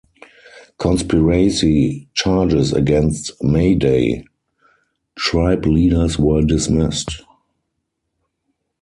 Conspiracy charges against May Day tribe leaders were dismissed.